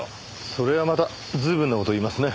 それはまた随分な事を言いますね。